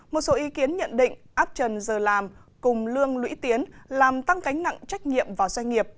một số ý kiến nhận định áp trần giờ làm cùng lương lũy tiến làm tăng cánh nặng trách nhiệm vào doanh nghiệp